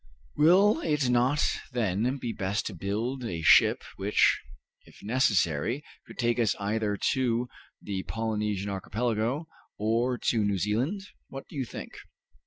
Will it not then be best to build a ship which, if necessary, could take us either to the Polynesian Archipelago or to New Zealand? What do you think?"